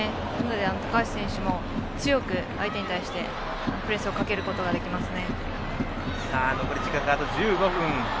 高橋選手も強く相手に対してプレスをかけることができますね。